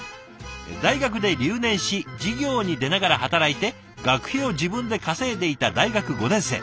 「大学で留年し授業に出ながら働いて学費を自分で稼いでいた大学５年生。